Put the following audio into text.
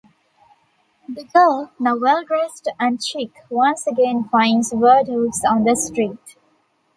The Girl, now well-dressed and chic, once again finds Verdoux on the street.